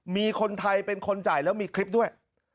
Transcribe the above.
มีคนไทยเป็นคนจ่ายแล้วมีคลิปด้วย